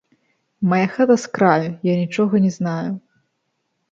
Мая хата з краю, я нічога не знаю!